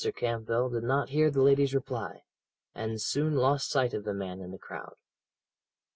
Campbell did not hear the lady's reply, and soon lost sight of the man in the crowd.